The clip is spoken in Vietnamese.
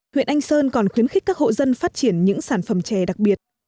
huyện anh sơn còn khuyến khích các hộ dân phát triển những sản phẩm chè đặc biệt